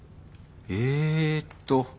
えーっと。